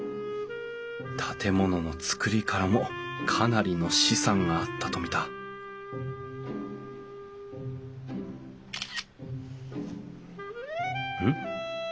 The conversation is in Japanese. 建物の造りからもかなりの資産があったと見たうん？